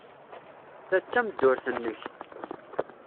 Ta d tameddurt-nnek.